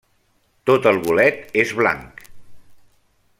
Tot el bolet és blanc.